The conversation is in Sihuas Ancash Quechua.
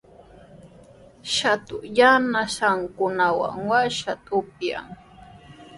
Shatu yanasankunawan washkuta upyan.